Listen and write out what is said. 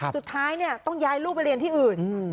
สุดท้ายต้องย้ายลูกไปเรียนที่อื่น